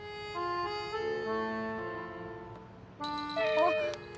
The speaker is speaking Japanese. あっ。